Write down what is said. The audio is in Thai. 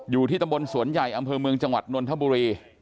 อยู่ที่ตำบลสวนใหญ่อำเภอเมืองจังหวัดนนทบุรี